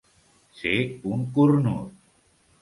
Ser un cornut.